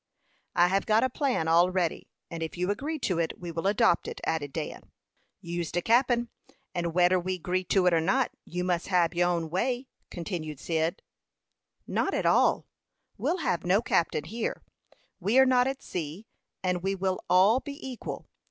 "I have got a plan all ready, and if you agree to it we will adopt it," added Dan. "You's de cap'n, and weder we 'gree to it or not, you mus hab your own way," continued Cyd. "Not at all. We'll have no captain here. We are not at sea, and we will all be equal.